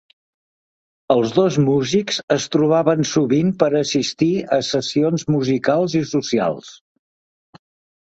Els dos músics es trobaven sovint per a assistir a sessions musicals i socials.